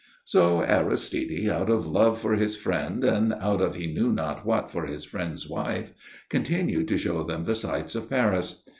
So Aristide, out of love for his friend, and out of he knew not what for his friend's wife, continued to show them the sights of Paris.